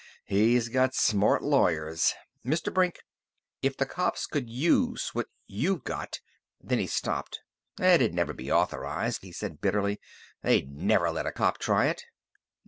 He's got smart lawyers. Mr. Brink, if the cops could use what you've got " Then he stopped. "It'd never be authorized," he said bitterly. "They'd never let a cop try it."